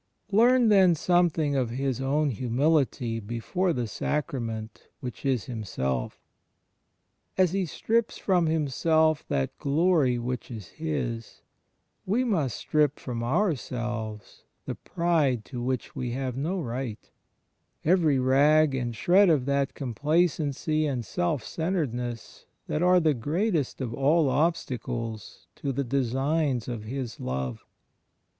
Learn, then, something of His own Hiunility before the Sacrament which is Himself. As He strips from Himself that glory which is His, we must strip from ourselves the pride to which we have no right — every rag and shred of that complacency and self centredness that are the greatest of all obstacles to the designs of His Love.